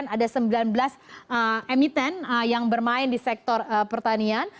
ada sembilan belas emiten yang bermain di sektor pertanian